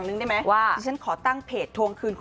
แล้วก็นะครับ